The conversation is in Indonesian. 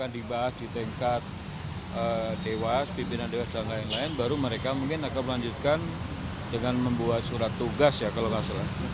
dekatkan dengan membuat surat tugas ya kalau gak salah